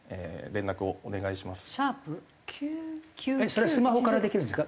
それはスマホからできるんですか？